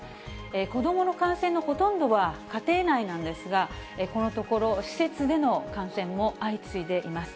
子どもの感染のほとんどは家庭内なんですが、このところ、施設での感染も相次いでいます。